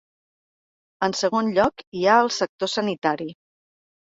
En segon lloc, hi ha el sector sanitari.